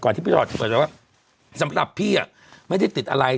ก่อนที่พี่ฉอดบอกแล้วว่าสำหรับพี่อ่ะไม่ได้ติดอะไร